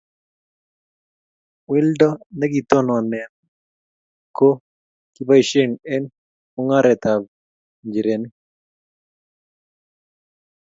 weldo nekitononen ko kiboisien eng' mung'aretab nchirenik